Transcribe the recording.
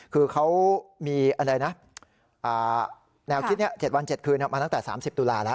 คือเขามีแนวคิด๗วัน๗คืนมาตั้งแต่๓๐ตุลาห์แล้ว